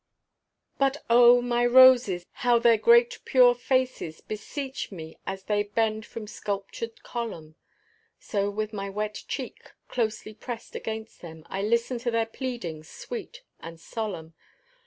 But oh, my roses, how their great pure faces Beseech me as they bend from sculptured column. So with my wet cheek closely pressed against them, I listen to their pleadings sweet and solemn.